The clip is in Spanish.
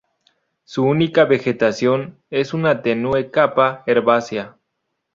Su única vegetación es una tenue capa herbácea.